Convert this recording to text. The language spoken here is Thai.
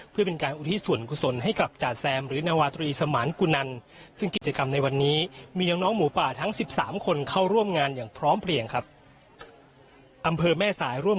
เพื่อเป็นการอุทิศวรรณ์กุศลให้กลับจากแซม